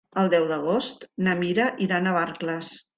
El deu d'agost na Mira irà a Navarcles.